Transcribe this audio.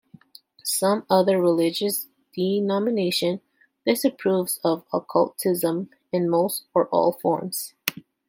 Some other religious denominations disapprove of occultism in most or all forms.